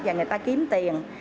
và người ta kiếm tiền